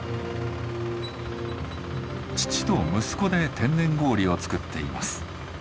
父と息子で天然氷を作っています。